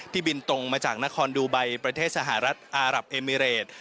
บินตรงมาจากนครดูไบประเทศสหรัฐอารับเอมิเรต